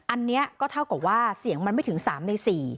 อันนี้ก็เท่ากับว่าเสียงมันไม่ถึง๓ใน๔